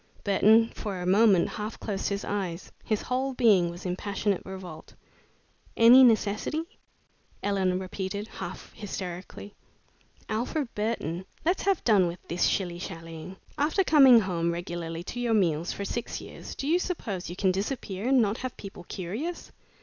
Burton for a moment half closed his eyes. His whole being was in passionate revolt. "Any necessity?" Ellen repeated, half hysterically. "Alfred Burton, let's have done with this shilly shallying! After coming home regularly to your meals for six years, do you suppose you can disappear and not have people curious?